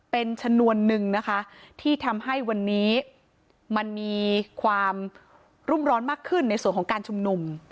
เป็นชนวนนึงนะคะที่ทำให้วันนี้มันมีความรุ่มร้อนมากขึ้นในส่วนของการชุมนุม